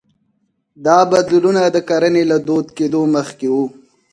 دا بدلونونه د کرنې له دود کېدو مخکې وو